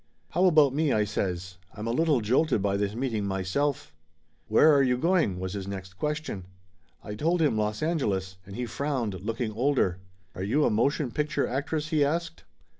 "How about me?" I says. "I'm a little jolted by this meeting myself !" "Where are you going?" was his next question. I told him Los Angeles, and he frowned, looking older. "Are you a motion picture actress?" he asked.